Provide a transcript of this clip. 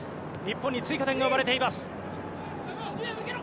日本に追加点が生まれています。